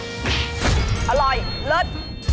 อร่อยเลิศ